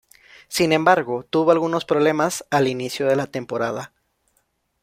Sin embargo, tuvo algunos problemas al inicio de la temporada.